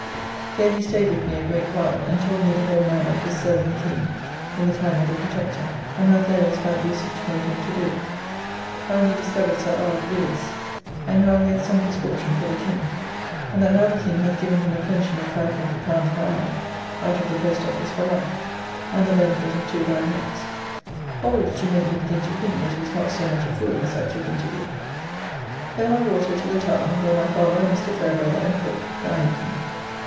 Here he staid with me a great while; and told me the whole manner of his serving the King in the time of the Protector; and how Thurloe's bad usage made him to do it; how he discovered Sir R. Willis, and how he hath sunk his fortune for the King; and that now the King hath given him a pension of L500 per annum out of the Post Office for life, and the benefit of two Baronets; all which do make me begin to think that he is not so much a fool as I took him to be. Home by water to the Tower, where my father, Mr. Fairbrother, and Cooke dined with me.